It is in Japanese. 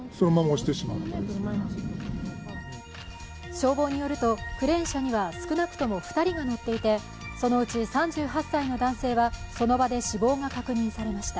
消防によると、クレーン車には少なくとも２人が乗っていてそのうち３８歳の男性はその場で死亡が確認されました。